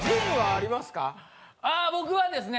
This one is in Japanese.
ああ僕はですね